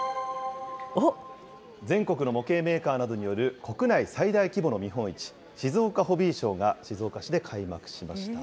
全国の模型メーカーなどによる国内最大規模の見本市、静岡ホビーショーが静岡市で開幕しました。